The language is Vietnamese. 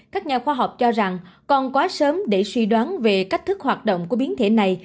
các nhà khoa học cho rằng còn quá sớm để suy đoán về cách thức hoạt động của biến thể này